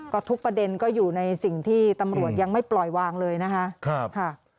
ก็ทุกประเด็นก็อยู่ในสิ่งที่ตำรวจยังไม่ปล่อยวางเลยนะคะ